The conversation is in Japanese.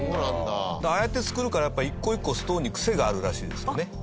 ああやって作るからやっぱ１個１個ストーンにクセがあるらしいですよね。